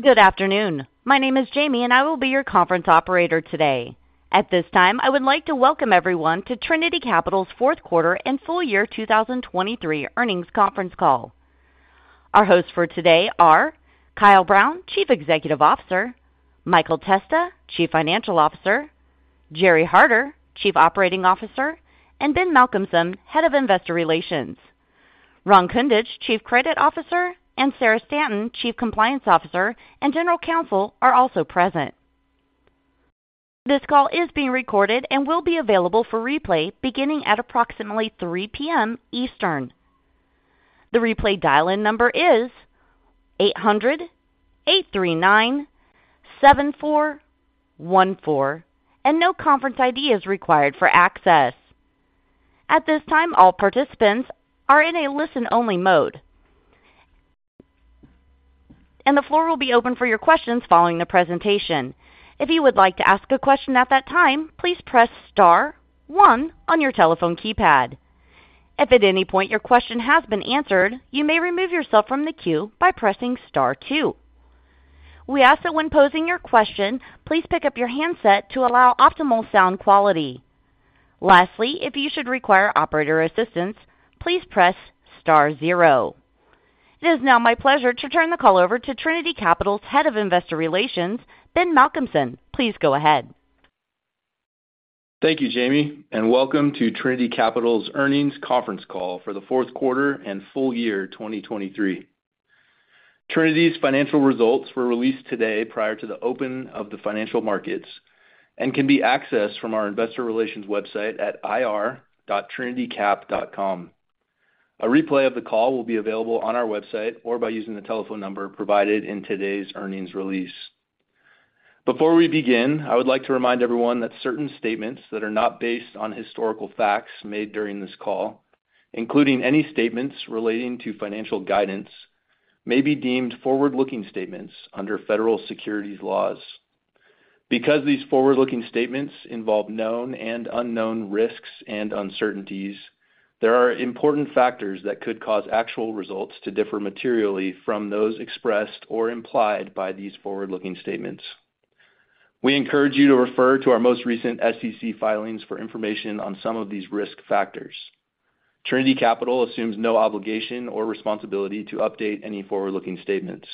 Good afternoon. My name is Jamie, and I will be your conference operator today. At this time, I would like to welcome everyone to Trinity Capital's fourth quarter and full year 2023 earnings conference call. Our hosts for today are Kyle Brown, Chief Executive Officer, Michael Testa, Chief Financial Officer, Gerry Harder, Chief Operating Officer, and Ben Malcolmson, Head of Investor Relations. Ron Kundich, Chief Credit Officer, and Sarah Stanton, Chief Compliance Officer and General Counsel, are also present. This call is being recorded and will be available for replay beginning at approximately 3:00 P.M. Eastern. The replay dial-in number is 800-839-7414, and no conference ID is required for access. At this time, all participants are in a listen-only mode, and the floor will be open for your questions following the presentation. If you would like to ask a question at that time, please press star one on your telephone keypad. If at any point your question has been answered, you may remove yourself from the queue by pressing star two. We ask that when posing your question, please pick up your handset to allow optimal sound quality. Lastly, if you should require operator assistance, please press star zero. It is now my pleasure to turn the call over to Trinity Capital's Head of Investor Relations, Ben Malcolmson. Please go ahead. Thank you, Jamie, and welcome to Trinity Capital's earnings conference call for the fourth quarter and full year 2023. Trinity's financial results were released today prior to the open of the financial markets and can be accessed from our investor relations website at ir.trinitycap.com. A replay of the call will be available on our website or by using the telephone number provided in today's earnings release. Before we begin, I would like to remind everyone that certain statements that are not based on historical facts made during this call, including any statements relating to financial guidance, may be deemed forward-looking statements under federal securities laws. Because these forward-looking statements involve known and unknown risks and uncertainties, there are important factors that could cause actual results to differ materially from those expressed or implied by these forward-looking statements. We encourage you to refer to our most recent SEC filings for information on some of these risk factors. Trinity Capital assumes no obligation or responsibility to update any forward-looking statements.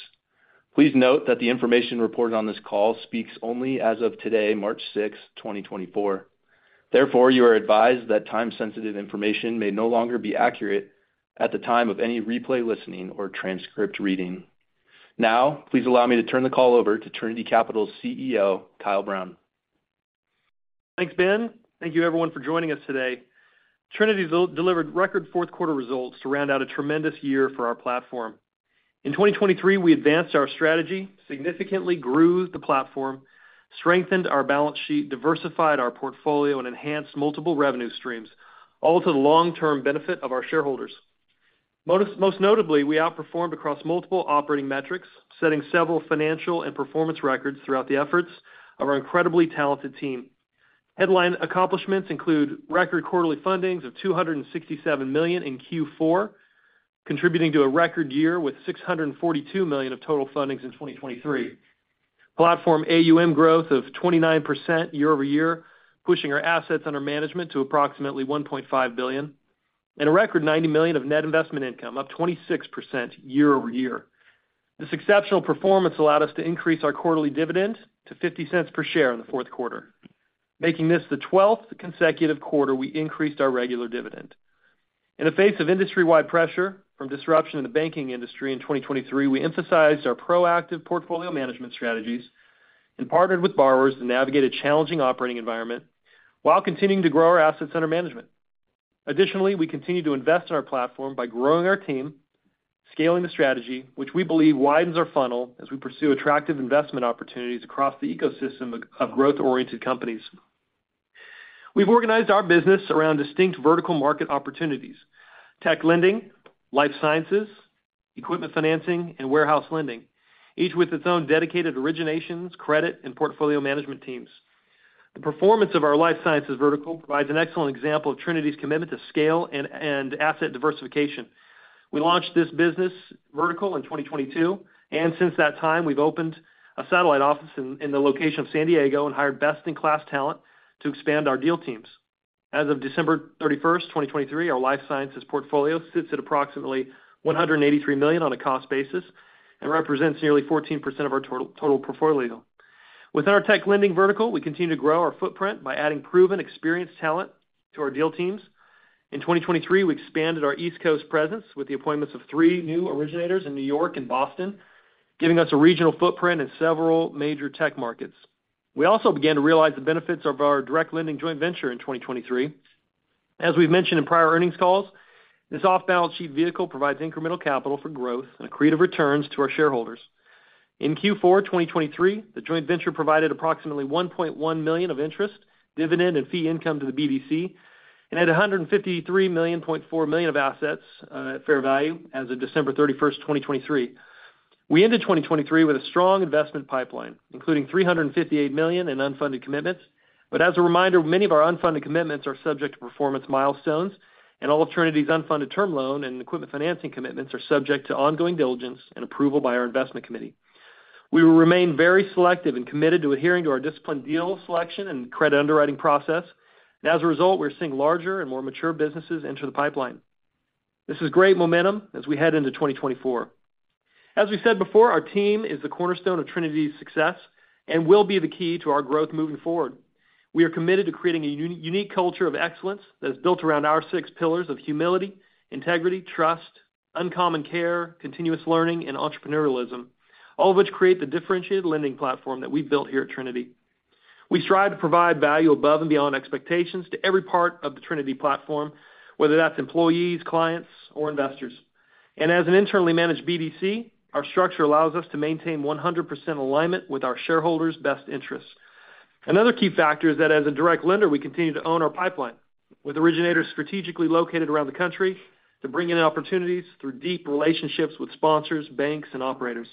Please note that the information reported on this call speaks only as of today, March 6, 2024. Therefore, you are advised that time-sensitive information may no longer be accurate at the time of any replay listening or transcript reading. Now, please allow me to turn the call over to Trinity Capital's CEO, Kyle Brown. Thanks, Ben. Thank you, everyone, for joining us today. Trinity delivered record fourth quarter results to round out a tremendous year for our platform. In 2023, we advanced our strategy, significantly grew the platform, strengthened our balance sheet, diversified our portfolio, and enhanced multiple revenue streams, all to the long-term benefit of our shareholders. Most notably, we outperformed across multiple operating metrics, setting several financial and performance records throughout the efforts of our incredibly talented team. Headline accomplishments include record quarterly fundings of $267 million in Q4, contributing to a record year with $642 million of total fundings in 2023. Platform AUM growth of 29% year-over-year, pushing our assets under management to approximately $1.5 billion, and a record $90 million of net investment income, up 26% year-over-year. This exceptional performance allowed us to increase our quarterly dividend to $0.50 per share in the fourth quarter, making this the 12th consecutive quarter we increased our regular dividend. In the face of industry-wide pressure from disruption in the banking industry in 2023, we emphasized our proactive portfolio management strategies and partnered with borrowers to navigate a challenging operating environment while continuing to grow our assets under management. Additionally, we continue to invest in our platform by growing our team, scaling the strategy, which we believe widens our funnel as we pursue attractive investment opportunities across the ecosystem of growth-oriented companies. We've organized our business around distinct vertical market opportunities: tech lending, life sciences, equipment financing, and warehouse lending, each with its own dedicated originations, credit, and portfolio management teams. The performance of our life sciences vertical provides an excellent example of Trinity's commitment to scale and asset diversification. We launched this business vertical in 2022, and since that time, we've opened a satellite office in the location of San Diego and hired best-in-class talent to expand our deal teams. As of December 31st, 2023, our life sciences portfolio sits at approximately $183 million on a cost basis and represents nearly 14% of our total portfolio. Within our tech lending vertical, we continue to grow our footprint by adding proven, experienced talent to our deal teams. In 2023, we expanded our East Coast presence with the appointments of three new originators in New York and Boston, giving us a regional footprint in several major tech markets. We also began to realize the benefits of our direct lending joint venture in 2023. As we've mentioned in prior earnings calls, this off-balance sheet vehicle provides incremental capital for growth and creative returns to our shareholders. In Q4 2023, the joint venture provided approximately $1.1 million of interest, dividend, and fee income to the BDC and had $153.4 million of assets at fair value as of December 31st, 2023. We ended 2023 with a strong investment pipeline, including $358 million in unfunded commitments. But as a reminder, many of our unfunded commitments are subject to performance milestones, and all of Trinity's unfunded term loan and equipment financing commitments are subject to ongoing diligence and approval by our investment committee. We remain very selective and committed to adhering to our disciplined deal selection and credit underwriting process. And as a result, we're seeing larger and more mature businesses enter the pipeline. This is great momentum as we head into 2024. As we said before, our team is the cornerstone of Trinity's success and will be the key to our growth moving forward. We are committed to creating a unique culture of excellence that is built around our six pillars of humility, integrity, trust, uncommon care, continuous learning, and entrepreneurialism, all of which create the differentiated lending platform that we've built here at Trinity. We strive to provide value above and beyond expectations to every part of the Trinity platform, whether that's employees, clients, or investors. As an internally managed BDC, our structure allows us to maintain 100% alignment with our shareholders' best interests. Another key factor is that as a direct lender, we continue to own our pipeline with originators strategically located around the country to bring in opportunities through deep relationships with sponsors, banks, and operators.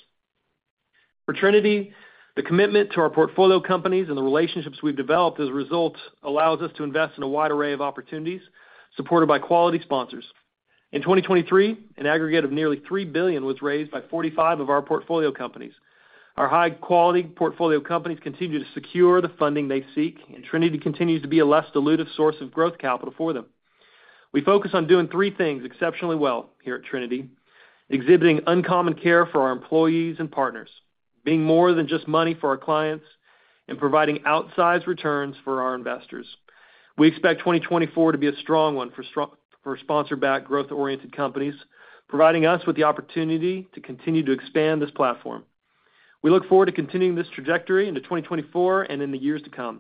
For Trinity, the commitment to our portfolio companies and the relationships we've developed as a result allows us to invest in a wide array of opportunities supported by quality sponsors. In 2023, an aggregate of nearly $3 billion was raised by 45 of our portfolio companies. Our high-quality portfolio companies continue to secure the funding they seek, and Trinity continues to be a less dilutive source of growth capital for them. We focus on doing three things exceptionally well here at Trinity: exhibiting uncommon care for our employees and partners, being more than just money for our clients, and providing outsized returns for our investors. We expect 2024 to be a strong one for sponsor-backed growth-oriented companies, providing us with the opportunity to continue to expand this platform. We look forward to continuing this trajectory into 2024 and in the years to come.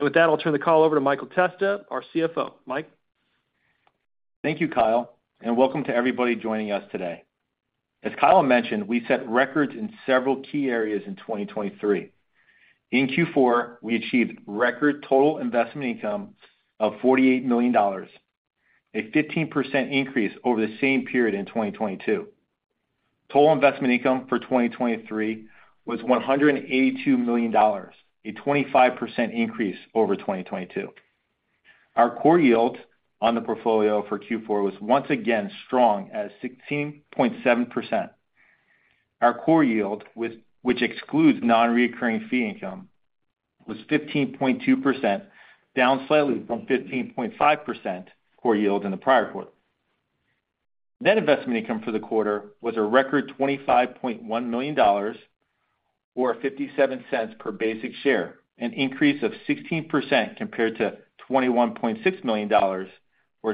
With that, I'll turn the call over to Michael Testa, our CFO. Mike. Thank you, Kyle, and welcome to everybody joining us today. As Kyle mentioned, we set records in several key areas in 2023. In Q4, we achieved record total investment income of $48 million, a 15% increase over the same period in 2022. Total investment income for 2023 was $182 million, a 25% increase over 2022. Our core yield on the portfolio for Q4 was once again strong at 16.7%. Our core yield, which excludes non-recurring fee income, was 15.2%, down slightly from 15.5% core yield in the prior quarter. Net investment income for the quarter was a record $25.1 million or $0.57 per basic share, an increase of 16% compared to $21.6 million or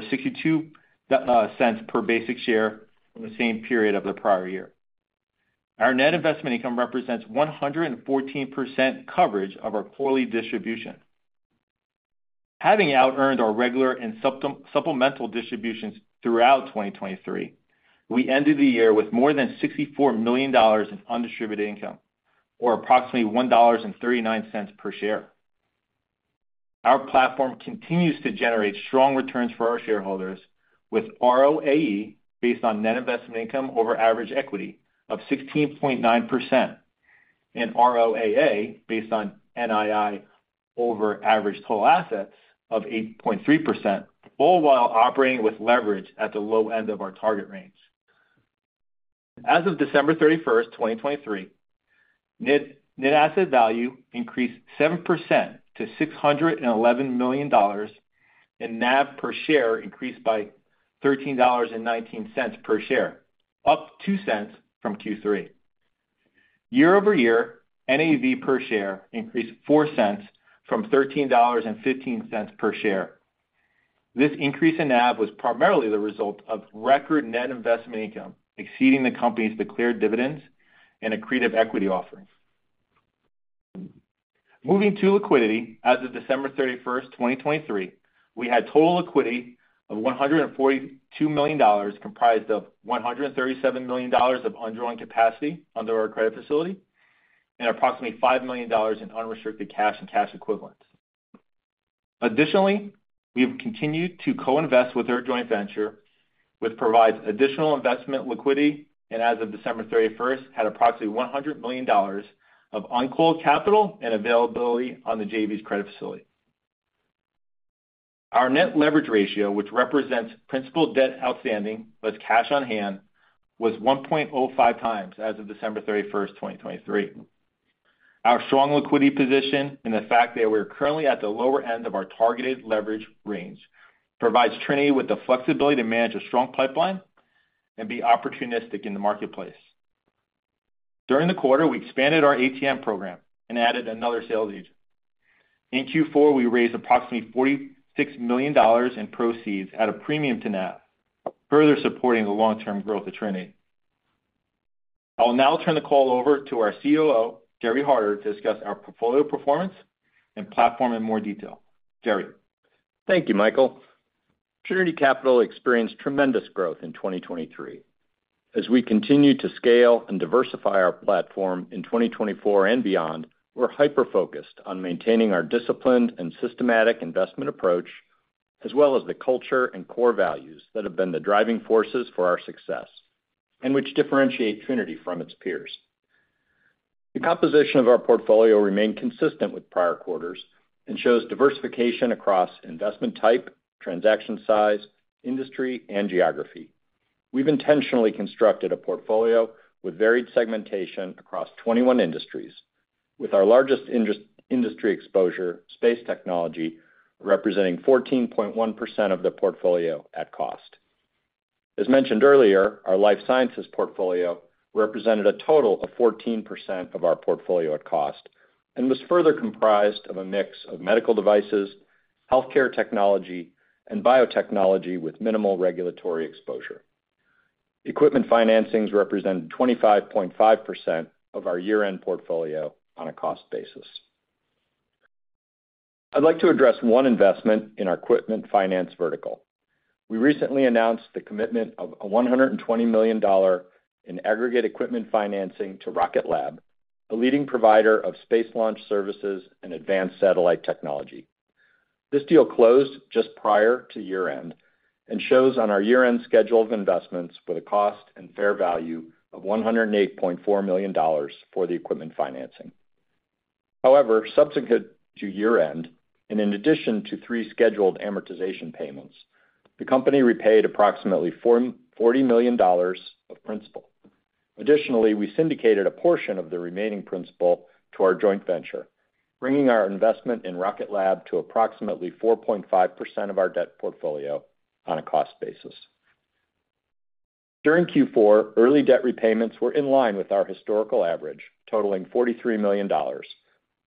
$0.62 per basic share in the same period of the prior year. Our net investment income represents 114% coverage of our quarterly distribution. Having out-earned our regular and supplemental distributions throughout 2023, we ended the year with more than $64 million in undistributed income or approximately $1.39 per share. Our platform continues to generate strong returns for our shareholders with ROAE based on net investment income over average equity of 16.9% and ROAA based on NII over average total assets of 8.3%, all while operating with leverage at the low end of our target range. As of December 31st, 2023, net asset value increased 7% to $611 million and NAV per share increased by $13.19 per share, up $0.02 from Q3. Year-over-year, NAV per share increased $0.04 from $13.15 per share. This increase in NAV was primarily the result of record net investment income exceeding the company's declared dividends and accretive equity offerings. Moving to liquidity, as of December 31st, 2023, we had total liquidity of $142 million, comprised of $137 million of underlying capacity under our credit facility and approximately $5 million in unrestricted cash and cash equivalents. Additionally, we have continued to co-invest with our joint venture, which provides additional investment liquidity and, as of December 31st, had approximately $100 million of uncalled capital and availability on the JV's credit facility. Our net leverage ratio, which represents principal debt outstanding plus cash on hand, was 1.05 times as of December 31st, 2023. Our strong liquidity position and the fact that we're currently at the lower end of our targeted leverage range provides Trinity with the flexibility to manage a strong pipeline and be opportunistic in the marketplace. During the quarter, we expanded our ATM program and added another sales agent. In Q4, we raised approximately $46 million in proceeds at a premium to NAV, further supporting the long-term growth of Trinity. I'll now turn the call over to our COO, Gerry Harder, to discuss our portfolio performance and platform in more detail. Gerry. Thank you, Michael. Trinity Capital experienced tremendous growth in 2023. As we continue to scale and diversify our platform in 2024 and beyond, we're hyper-focused on maintaining our disciplined and systematic investment approach, as well as the culture and core values that have been the driving forces for our success and which differentiate Trinity from its peers. The composition of our portfolio remained consistent with prior quarters and shows diversification across investment type, transaction size, industry, and geography. We've intentionally constructed a portfolio with varied segmentation across 21 industries, with our largest industry exposure, space technology, representing 14.1% of the portfolio at cost. As mentioned earlier, our life sciences portfolio represented a total of 14% of our portfolio at cost and was further comprised of a mix of medical devices, healthcare technology, and biotechnology with minimal regulatory exposure. Equipment financings represented 25.5% of our year-end portfolio on a cost basis. I'd like to address one investment in our equipment finance vertical. We recently announced the commitment of a $120 million in aggregate equipment financing to Rocket Lab, a leading provider of space launch services and advanced satellite technology. This deal closed just prior to year-end and shows on our year-end schedule of investments with a cost and fair value of $108.4 million for the equipment financing. However, subsequent to year-end, and in addition to three scheduled amortization payments, the company repaid approximately $40 million of principal. Additionally, we syndicated a portion of the remaining principal to our joint venture, bringing our investment in Rocket Lab to approximately 4.5% of our debt portfolio on a cost basis. During Q4, early debt repayments were in line with our historical average, totaling $43 million,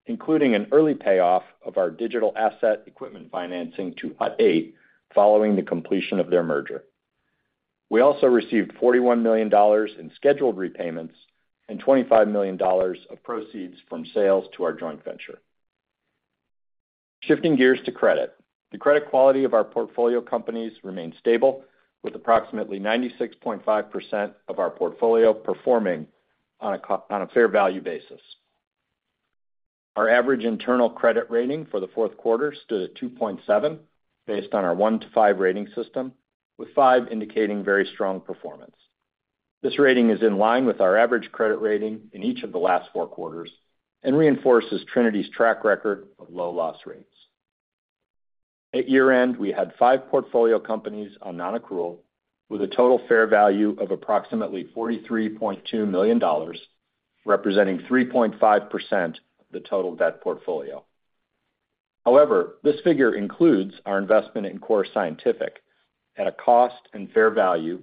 including an early payoff of our digital asset equipment financing to Hut 8 following the completion of their merger. We also received $41 million in scheduled repayments and $25 million of proceeds from sales to our joint venture. Shifting gears to credit, the credit quality of our portfolio companies remained stable, with approximately 96.5% of our portfolio performing on a fair value basis. Our average internal credit rating for the fourth quarter stood at 2.7 based on our one to five rating system, with five indicating very strong performance. This rating is in line with our average credit rating in each of the last four quarters and reinforces Trinity's track record of low loss rates. At year-end, we had five portfolio companies on non-accrual, with a total fair value of approximately $43.2 million, representing 3.5% of the total debt portfolio. However, this figure includes our investment in Core Scientific at a cost and fair value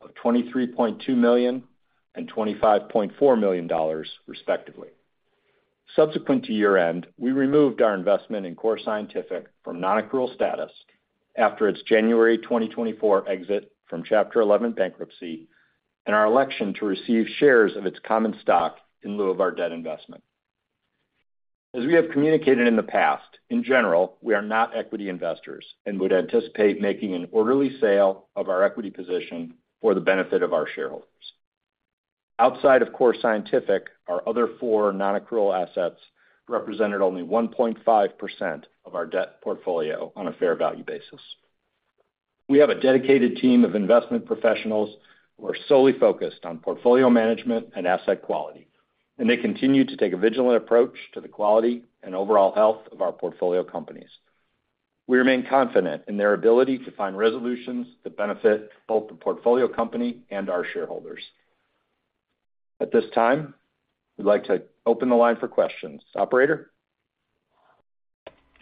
of $23.2 million and $25.4 million, respectively. Subsequent to year-end, we removed our investment in Core Scientific from non-accrual status after its January 2024 exit from Chapter 11 bankruptcy and our election to receive shares of its common stock in lieu of our debt investment. As we have communicated in the past, in general, we are not equity investors and would anticipate making an orderly sale of our equity position for the benefit of our shareholders. Outside of Core Scientific, our other four non-accrual assets represented only 1.5% of our debt portfolio on a fair value basis. We have a dedicated team of investment professionals who are solely focused on portfolio management and asset quality, and they continue to take a vigilant approach to the quality and overall health of our portfolio companies. We remain confident in their ability to find resolutions that benefit both the portfolio company and our shareholders. At this time, we'd like to open the line for questions. Operator.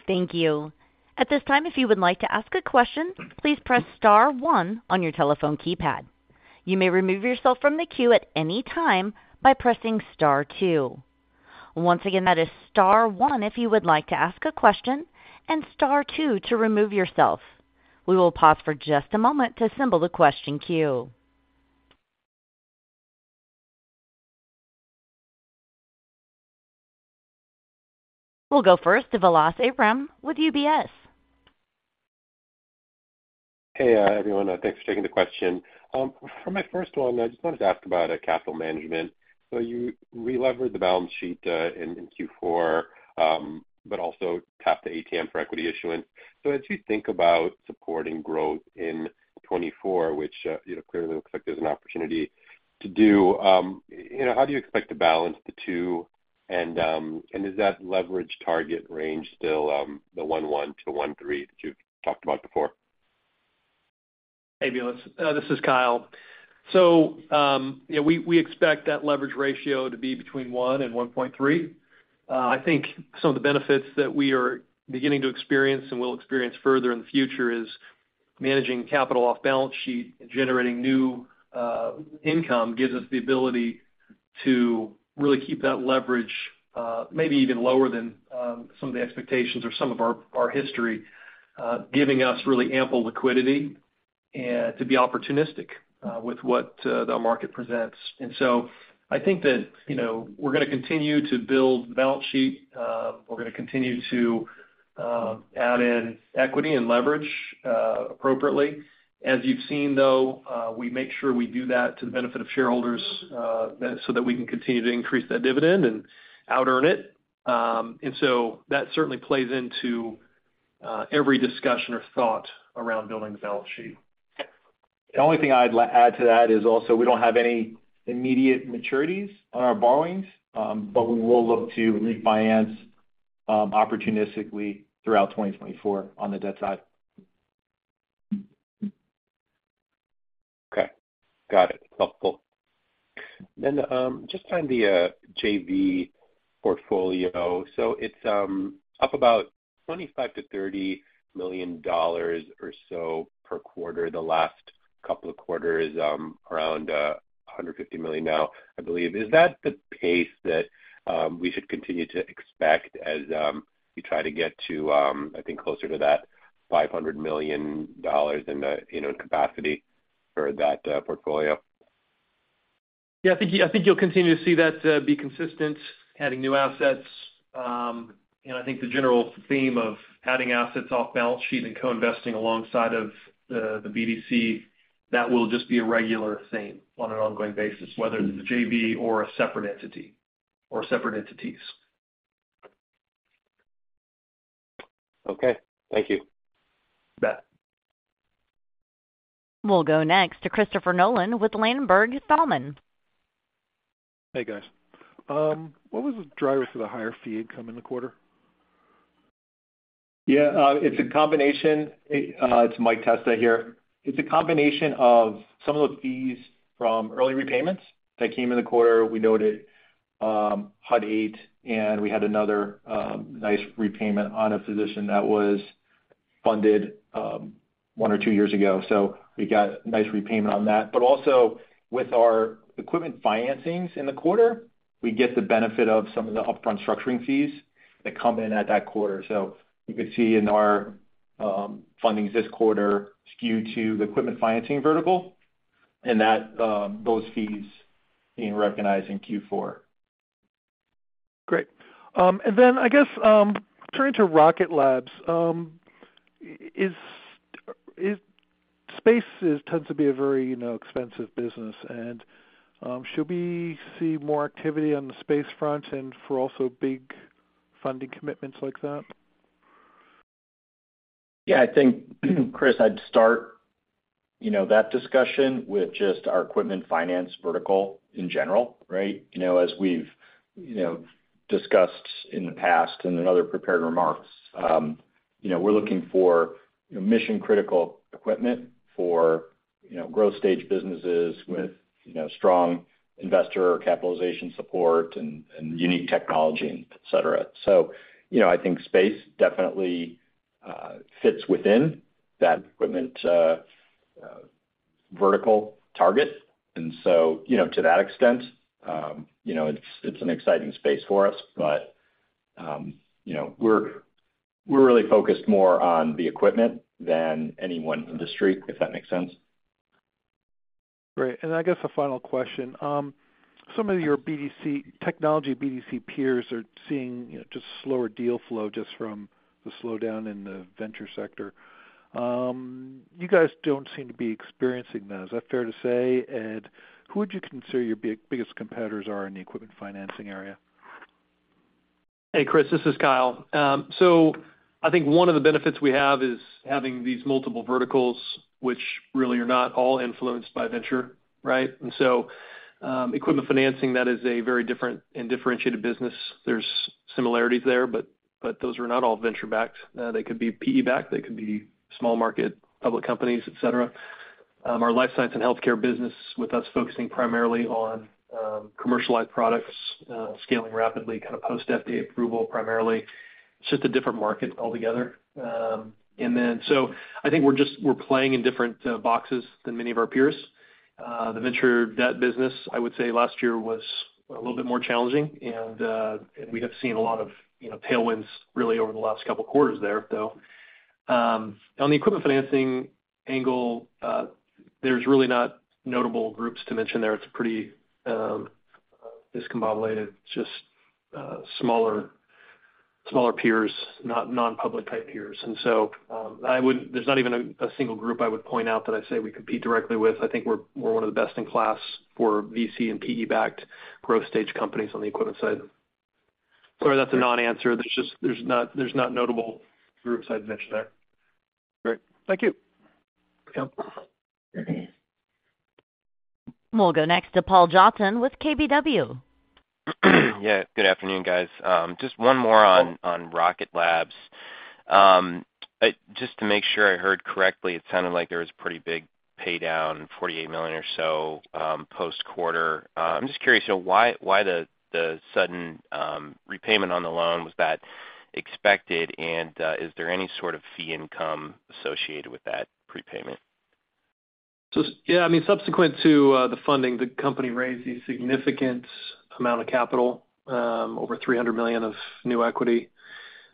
Thank you. At this time, if you would like to ask a question, please press star one on your telephone keypad. You may remove yourself from the queue at any time by pressing star two. Once again, that is star one if you would like to ask a question and star two to remove yourself. We will pause for just a moment to assemble the question queue. We'll go first to Vilas Abraham with UBS. Hey, everyone. Thanks for taking the question. For my first one, I just wanted to ask about capital management. So you re-leveraged the balance sheet in Q4 but also tapped the ATM for equity issuance. So as you think about supporting growth in 2024, which clearly looks like there's an opportunity to do, how do you expect to balance the two? And is that leverage target range still the 1.1-1.3 that you've talked about before? Hey, Vilas. This is Kyle. So we expect that leverage ratio to be between one and one point three. I think some of the benefits that we are beginning to experience and will experience further in the future is managing capital off balance sheet and generating new income gives us the ability to really keep that leverage maybe even lower than some of the expectations or some of our history, giving us really ample liquidity to be opportunistic with what the market presents. And so I think that we're going to continue to build the balance sheet. We're going to continue to add in equity and leverage appropriately. As you've seen, though, we make sure we do that to the benefit of shareholders so that we can continue to increase that dividend and out-earn it. And so that certainly plays into every discussion or thought around building the balance sheet. The only thing I'd add to that is also we don't have any immediate maturities on our borrowings, but we will look to refinance opportunistically throughout 2024 on the debt side. Okay. Got it. Helpful. Just on the JV portfolio, so it's up about $25-$30 million or so per quarter. The last couple of quarters around $150 million now, I believe. Is that the pace that we should continue to expect as we try to get to, I think, closer to that $500 million in capacity for that portfolio? Yeah. I think you'll continue to see that be consistent, adding new assets. I think the general theme of adding assets off balance sheet and co-investing alongside of the BDC, that will just be a regular theme on an ongoing basis, whether it's the JV or a separate entity or separate entities. Okay. Thank you. You bet. We'll go next to Christopher Nolan with Ladenburg Thalmann. Hey, guys. What was the driver for the higher fee income in the quarter? Yeah. It's a combination. It's Mike Testa here. It's a combination of some of the fees from early repayments that came in the quarter. We noted HUT8, and we had another nice repayment on a position that was funded one or two years ago. So we got a nice repayment on that. But also, with our equipment financings in the quarter, we get the benefit of some of the upfront structuring fees that come in at that quarter. So you could see in our fundings this quarter skew to the equipment financing vertical and those fees being recognized in Q4. Great. And then, I guess, turning to Rocket Lab, space tends to be a very expensive business. And should we see more activity on the space front and for also big funding commitments like that? Yeah. I think, Chris, I'd start that discussion with just our equipment finance vertical in general, right? As we've discussed in the past and in other prepared remarks, we're looking for mission-critical equipment for growth-stage businesses with strong investor capitalization support and unique technology, etc. So I think space definitely fits within that equipment vertical target. And so to that extent, it's an exciting space for us. But we're really focused more on the equipment than any one industry, if that makes sense. Great. And I guess a final question. Some of your technology BDC peers are seeing just slower deal flow just from the slowdown in the venture sector. You guys don't seem to be experiencing that. Is that fair to say? And who would you consider your biggest competitors are in the equipment financing area? Hey, Chris. This is Kyle. So I think one of the benefits we have is having these multiple verticals, which really are not all influenced by venture, right? And so equipment financing, that is a very different and differentiated business. There's similarities there, but those are not all venture-backed. They could be PE-backed. They could be small market public companies, etc. Our life science and healthcare business with us focusing primarily on commercialized products, scaling rapidly, kind of post-FDA approval primarily. It's just a different market altogether. And then so I think we're playing in different boxes than many of our peers. The venture debt business, I would say, last year was a little bit more challenging. And we have seen a lot of tailwinds really over the last couple of quarters there, though. On the equipment financing angle, there's really not notable groups to mention there. It's pretty discombobulated. It's just smaller peers, non-public-type peers. And so there's not even a single group I would point out that I say we compete directly with. I think we're one of the best in class for VC and PE-backed growth-stage companies on the equipment side. Sorry, that's a non-answer. There's not notable groups I'd mention there. Great. Thank you. Yep. We'll go next to Paul Johnson with KBW. Yeah. Good afternoon, guys. Just one more on Rocket Lab. Just to make sure I heard correctly, it sounded like there was a pretty big paydown, $48 million or so post-quarter. I'm just curious why the sudden repayment on the loan was that expected, and is there any sort of fee income associated with that prepayment? Yeah. I mean, subsequent to the funding, the company raised a significant amount of capital, over $300 million of new equity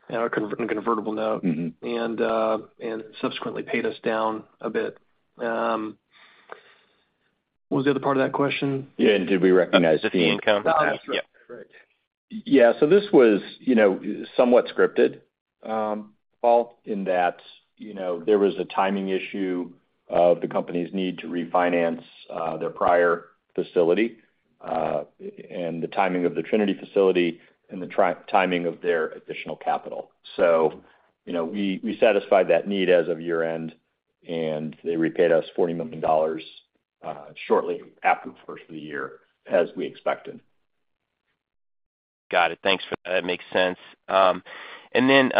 on a convertible note, and subsequently paid us down a bit. What was the other part of that question? Yeah. And did we recognize the fee income? Yeah. So this was somewhat scripted, Paul, in that there was a timing issue of the company's need to refinance their prior facility and the timing of the Trinity facility and the timing of their additional capital. So we satisfied that need as of year-end, and they repaid us $40 million shortly after the first of the year as we expected. Got it. Thanks for that. That makes sense. And then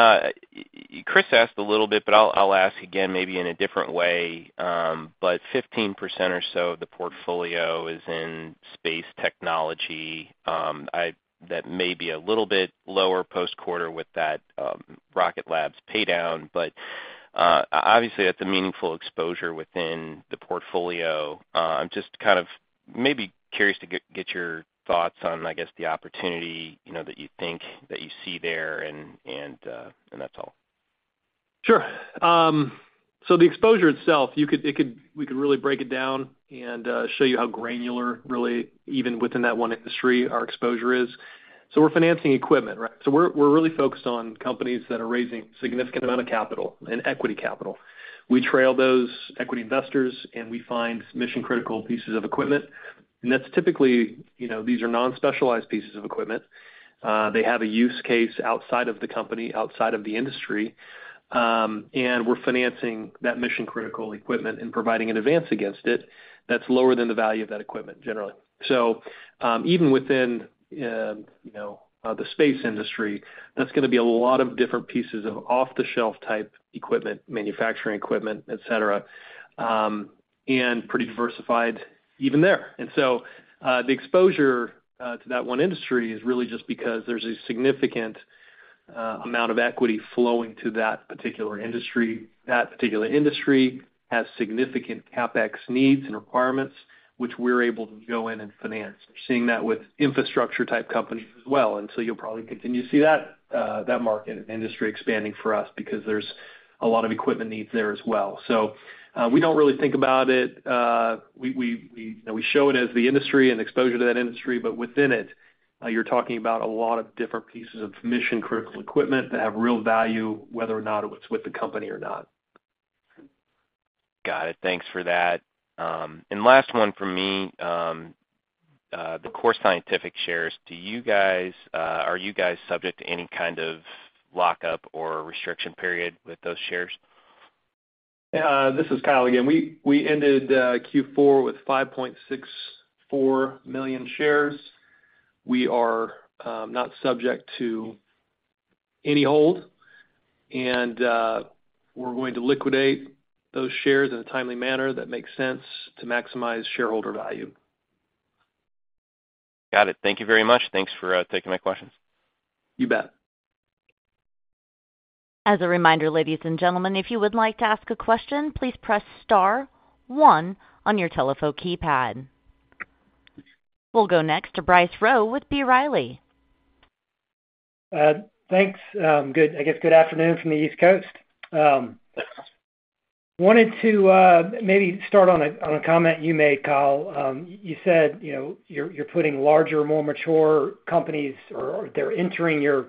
Chris asked a little bit, but I'll ask again maybe in a different way. But 15% or so of the portfolio is in space technology. That may be a little bit lower post-quarter with that Rocket Labs paydown. But obviously, that's a meaningful exposure within the portfolio. I'm just kind of maybe curious to get your thoughts on, I guess, the opportunity that you think that you see there, and that's all. Sure. So the exposure itself, we could really break it down and show you how granular, really, even within that one industry, our exposure is. So we're financing equipment, right? So we're really focused on companies that are raising a significant amount of capital, an equity capital. We trail those equity investors, and we find mission-critical pieces of equipment. And that's typically these are non-specialized pieces of equipment. They have a use case outside of the company, outside of the industry. And we're financing that mission-critical equipment and providing an advance against it that's lower than the value of that equipment, generally. So even within the space industry, that's going to be a lot of different pieces of off-the-shelf type equipment, manufacturing equipment, etc., and pretty diversified even there. And so the exposure to that one industry is really just because there's a significant amount of equity flowing to that particular industry. That particular industry has significant CapEx needs and requirements, which we're able to go in and finance. We're seeing that with infrastructure-type companies as well. And so you'll probably continue to see that market and industry expanding for us because there's a lot of equipment needs there as well. So we don't really think about it. We show it as the industry and exposure to that industry, but within it, you're talking about a lot of different pieces of mission-critical equipment that have real value, whether or not it's with the company or not. Got it. Thanks for that. Last one from me, the Core Scientific shares. Are you guys subject to any kind of lockup or restriction period with those shares? This is Kyle again. We ended Q4 with 5.64 million shares. We are not subject to any hold. We're going to liquidate those shares in a timely manner that makes sense to maximize shareholder value. Got it. Thank you very much. Thanks for taking my questions. You bet. As a reminder, ladies and gentlemen, if you would like to ask a question, please press star one on your telephone keypad. We'll go next to Bryce Rowe with B. Riley. Thanks. I guess good afternoon from the East Coast. Wanted to maybe start on a comment you made, Kyle. You said you're putting larger, more mature companies, or they're entering your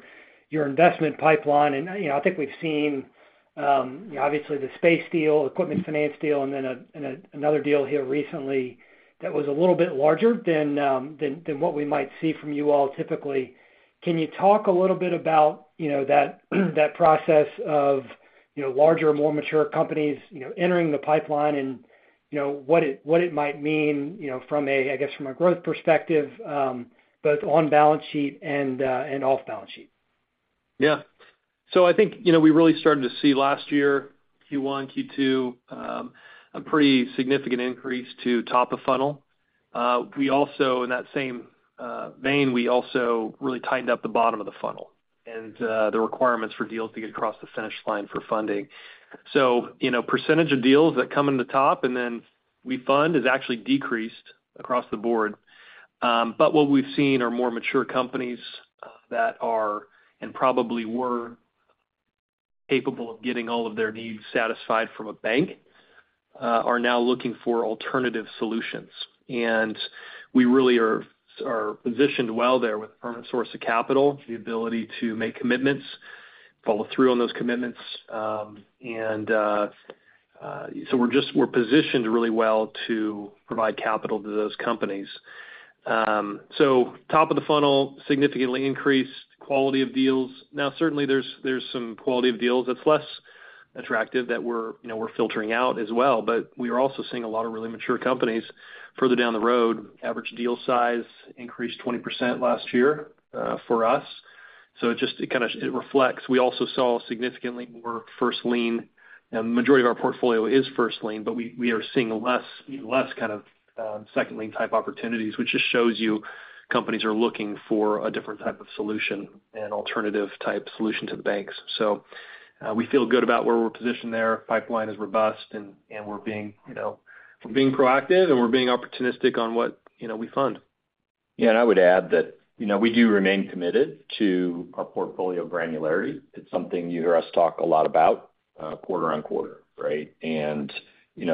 investment pipeline. And I think we've seen, obviously, the space deal, equipment finance deal, and then another deal here recently that was a little bit larger than what we might see from you all typically. Can you talk a little bit about that process of larger, more mature companies entering the pipeline and what it might mean from a, I guess, from a growth perspective, both on balance sheet and off balance sheet? Yeah. So I think we really started to see last year, Q1, Q2, a pretty significant increase to top of funnel. In that same vein, we also really tightened up the bottom of the funnel and the requirements for deals to get across the finish line for funding. So percentage of deals that come in the top and then we fund is actually decreased across the board. But what we've seen are more mature companies that are and probably were capable of getting all of their needs satisfied from a bank are now looking for alternative solutions. And we really are positioned well there with a permanent source of capital, the ability to make commitments, follow through on those commitments. And so we're positioned really well to provide capital to those companies. So top of the funnel, significantly increased quality of deals. Now, certainly, there's some quality of deals that's less attractive that we're filtering out as well. But we are also seeing a lot of really mature companies further down the road. Average deal size increased 20% last year for us. So it kind of reflects. We also saw significantly more first lien. The majority of our portfolio is first lien, but we are seeing less kind of second lien type opportunities, which just shows you companies are looking for a different type of solution and alternative type solution to the banks. So we feel good about where we're positioned there. Pipeline is robust, and we're being proactive, and we're being opportunistic on what we fund. Yeah. And I would add that we do remain committed to our portfolio granularity. It's something you hear us talk a lot about quarter on quarter, right, and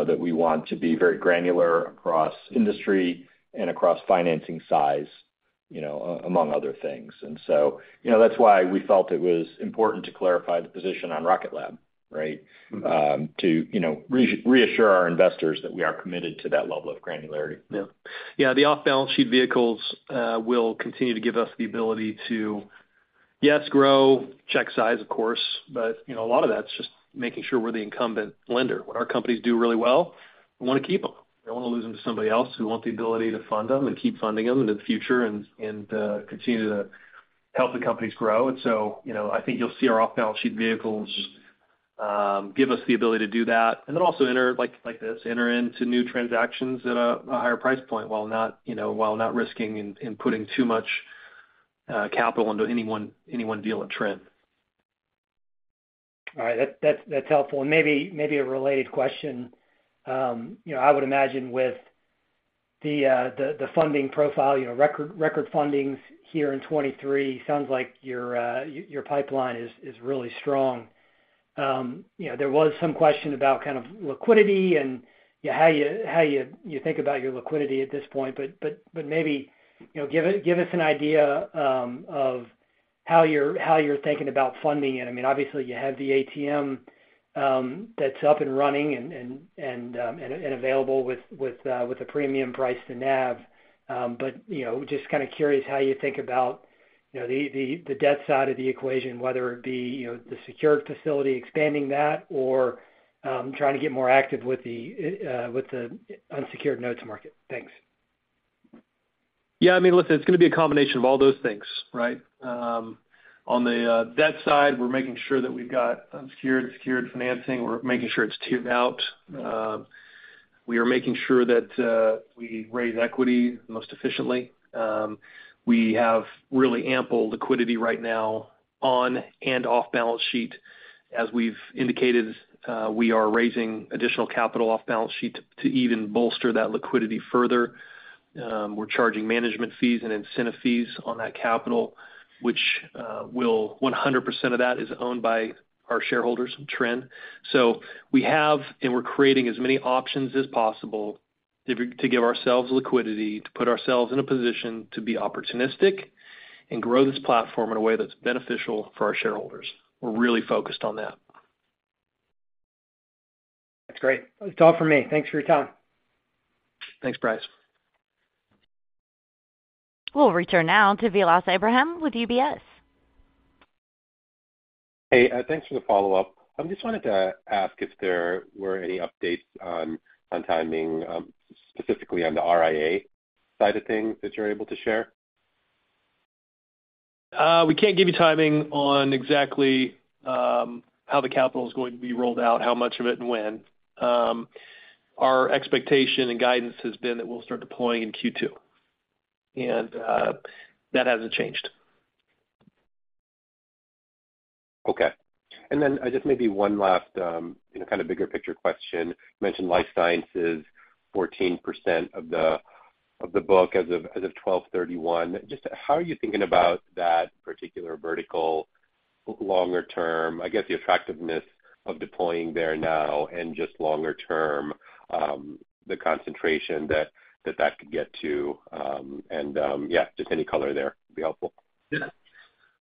that we want to be very granular across industry and across financing size, among other things. And so that's why we felt it was important to clarify the position on Rocket Lab, right, to reassure our investors that we are committed to that level of granularity. Yeah. Yeah. The off-balance sheet vehicles will continue to give us the ability to, yes, grow check size, of course, but a lot of that's just making sure we're the incumbent lender. What our companies do really well, we want to keep them. We don't want to lose them to somebody else who wants the ability to fund them and keep funding them into the future and continue to help the companies grow. And so I think you'll see our off-balance sheet vehicles give us the ability to do that and then also enter like this, enter into new transactions at a higher price point while not risking and putting too much capital into any one deal at Trinity. All right. That's helpful. Maybe a related question. I would imagine with the funding profile, record fundings here in 2023, sounds like your pipeline is really strong. There was some question about kind of liquidity and how you think about your liquidity at this point. Maybe give us an idea of how you're thinking about funding it. I mean, obviously, you have the ATM that's up and running and available with a premium price to NAV. Just kind of curious how you think about the debt side of the equation, whether it be the secured facility expanding that or trying to get more active with the unsecured notes market. Thanks. Yeah. I mean, listen, it's going to be a combination of all those things, right? On the debt side, we're making sure that we've got unsecured, secured financing. We're making sure it's tiered out. We are making sure that we raise equity most efficiently. We have really ample liquidity right now on and off balance sheet. As we've indicated, we are raising additional capital off balance sheet to even bolster that liquidity further. We're charging management fees and incentive fees on that capital, which 100% of that is owned by our shareholders, Trinity. So we have and we're creating as many options as possible to give ourselves liquidity, to put ourselves in a position to be opportunistic, and grow this platform in a way that's beneficial for our shareholders. We're really focused on that. That's great. That was all from me. Thanks for your time. Thanks, Bryce. We'll return now to Vilas Abraham with UBS. Hey. Thanks for the follow-up. I just wanted to ask if there were any updates on timing, specifically on the RIA side of things that you're able to share. We can't give you timing on exactly how the capital is going to be rolled out, how much of it, and when. Our expectation and guidance has been that we'll start deploying in Q2, and that hasn't changed. Okay. And then just maybe one last kind of bigger picture question. You mentioned life sciences, 14% of the book as of 12/31. Just how are you thinking about that particular vertical longer-term? I guess the attractiveness of deploying there now and just longer-term, the concentration that that could get to. And yeah, just any color there would be helpful. Yeah.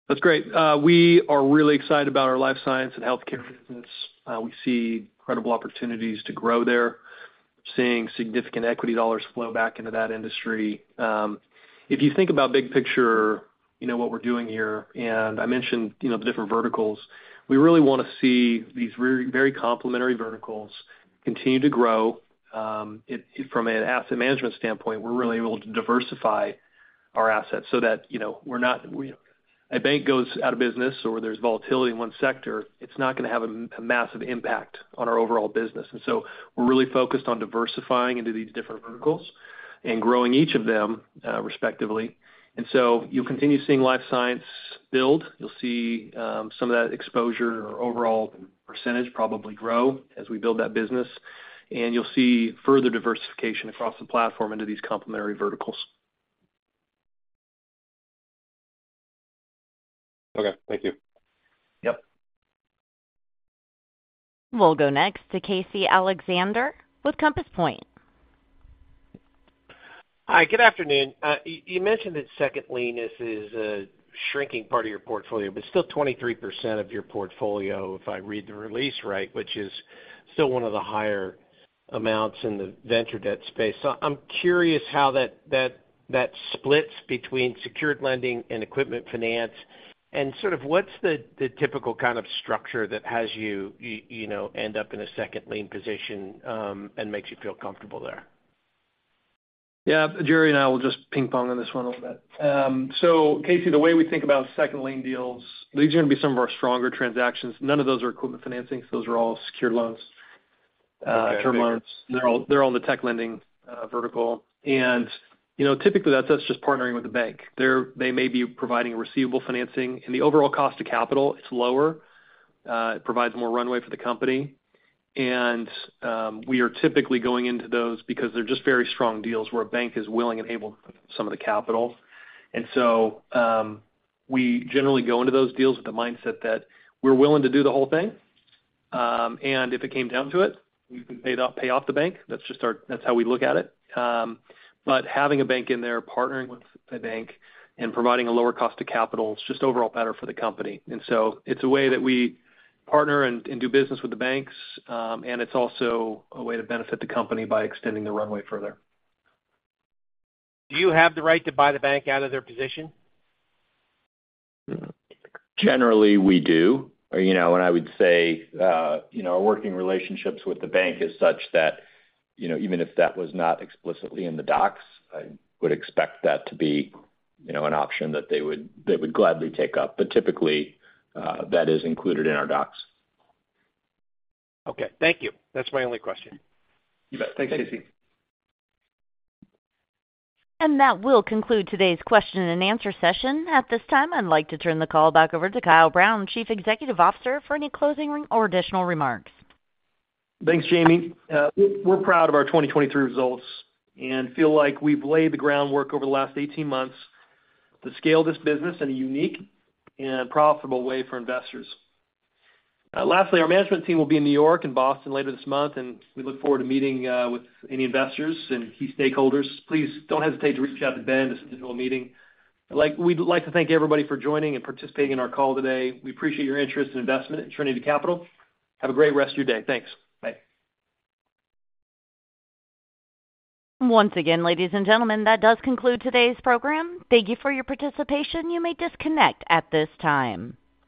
That's great. We are really excited about our life science and healthcare business. We see incredible opportunities to grow there. We're seeing significant equity dollars flow back into that industry. If you think about big picture, what we're doing here, and I mentioned the different verticals, we really want to see these very complementary verticals continue to grow. From an asset management standpoint, we're really able to diversify our assets so that we're not a bank goes out of business or there's volatility in one sector, it's not going to have a massive impact on our overall business. And so we're really focused on diversifying into these different verticals and growing each of them, respectively. And so you'll continue seeing life science build. You'll see some of that exposure or overall percentage probably grow as we build that business. And you'll see further diversification across the platform into these complementary verticals. Okay. Thank you. Yep. We'll go next to Casey Alexander with Compass Point. Hi. Good afternoon. You mentioned that second liens is a shrinking part of your portfolio, but still 23% of your portfolio, if I read the release right, which is still one of the higher amounts in the venture debt space. So I'm curious how that splits between secured lending and equipment finance, and sort of what's the typical kind of structure that has you end up in a second lien position and makes you feel comfortable there? Yeah. Gerry and I will just ping-pong on this one a little bit. So, Casey, the way we think about second lien deals, these are going to be some of our stronger transactions. None of those are equipment financing. So those are all secured loans, term loans. They're all in the tech lending vertical. And typically, that's us just partnering with the bank. They may be providing receivable financing. And the overall cost of capital, it's lower. It provides more runway for the company. And we are typically going into those because they're just very strong deals where a bank is willing and able to put some of the capital. And so we generally go into those deals with the mindset that we're willing to do the whole thing. And if it came down to it, we could pay off the bank. That's just how we look at it. But having a bank in there, partnering with a bank, and providing a lower cost of capital, it's just overall better for the company. And so it's a way that we partner and do business with the banks. And it's also a way to benefit the company by extending the runway further. Do you have the right to buy the bank out of their position? Generally, we do. And I would say our working relationships with the bank is such that even if that was not explicitly in the docs, I would expect that to be an option that they would gladly take up. But typically, that is included in our docs. Okay. Thank you. That's my only question. You bet. Thanks, Casey. That will conclude today's question and answer session. At this time, I'd like to turn the call back over to Kyle Brown, Chief Executive Officer, for any closing or additional remarks. Thanks, Jamie. We're proud of our 2023 results and feel like we've laid the groundwork over the last 18 months to scale this business in a unique and profitable way for investors. Lastly, our management team will be in New York and Boston later this month, and we look forward to meeting with any investors and key stakeholders. Please don't hesitate to reach out to Ben to schedule a meeting. We'd like to thank everybody for joining and participating in our call today. We appreciate your interest and investment in Trinity Capital. Have a great rest of your day. Thanks. Bye. Once again, ladies and gentlemen, that does conclude today's program. Thank you for your participation. You may disconnect at this time.